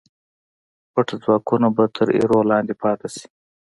پټ ځواکونه به تر ایرو لاندې پاتې شي.